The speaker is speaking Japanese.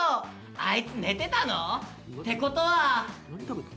アイツ寝てたの！？ってことは。